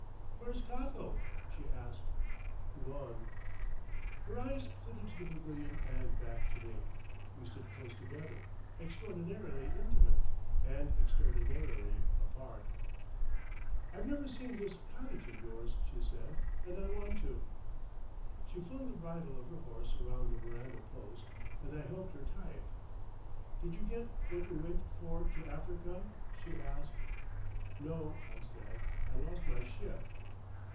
"Where's Cothope?" she asked. "Gone." Her eyes flitted to the pavilion and back to me. We stood close together, extraordinarily intimate, and extraordinarily apart. "I've never seen this cottage of yours," she said, "and I want to." She flung the bridle of her horse round the veranda post, and I helped her tie it. "Did you get what you went for to Africa?" she asked. "No," I said, "I lost my ship."